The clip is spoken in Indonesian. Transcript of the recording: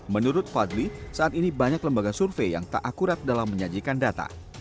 menurut fadli saat ini banyak lembaga survei yang tak akurat dalam menyajikan data